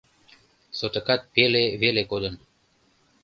Сотыкат пеле веле кодын.